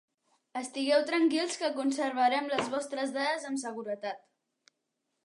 Estigueu tranquils que conservarem les vostres dades amb seguretat.